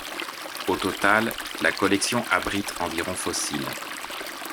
Au total, la collection abrite environ fossiles.